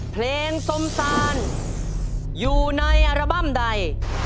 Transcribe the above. เพลงสมตาลอยู่ในอัลบั้มใด